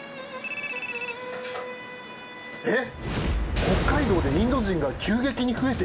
えっ！